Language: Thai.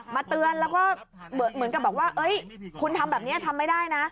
เตือนแล้วก็เหมือนกับบอกว่าคุณทำแบบนี้ทำไม่ได้นะ